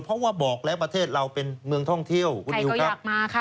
เพราะว่าบอกแล้วประเทศเราเป็นเมืองท่องเที่ยวใครก็อยากมาค่ะ